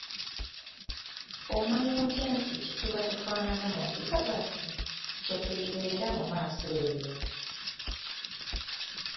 Omanya otya nti kyetuba tufaanana mu mpisa zaffe, kyetulibeera mumaaso eyo?